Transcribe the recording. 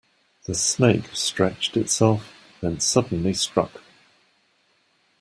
The snake stretched itself, then suddenly struck.